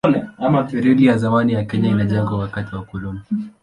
Reli ya zamani ya Kenya ilijengwa wakati wa ukoloni.